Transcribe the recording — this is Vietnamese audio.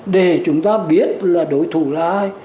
để chúng ta biết là đối thủ là ai